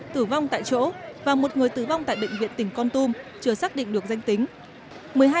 tử vong tại chỗ và một người tử vong tại bệnh viện tỉnh con tum chưa xác định được danh tính